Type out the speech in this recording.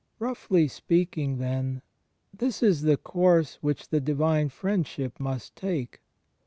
Roughly speaking, then, this is the course which the Divine Friendship must take.